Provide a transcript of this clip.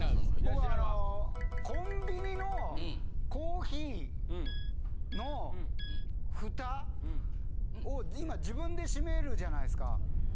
僕あのコンビニのコーヒーのフタを今自分で閉めるじゃないですか。